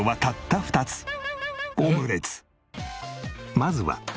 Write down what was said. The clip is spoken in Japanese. まずは。